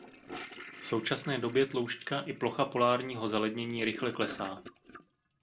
V současně době tloušťka i plocha polárního zalednění rychle klesá.